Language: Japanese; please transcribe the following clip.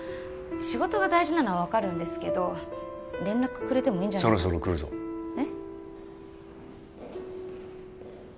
仕事が大事なのは分かるんですけど連絡くれてもいいんじゃないかなそろそろ来るぞえっ？